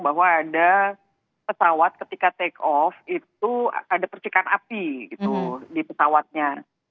bahwa ada pesawat ketika take off itu ada percikan api gitu di pesawatnya